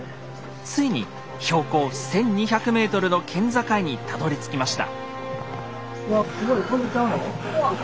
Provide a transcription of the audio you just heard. ついに標高１，２００ｍの県境にたどりつきました！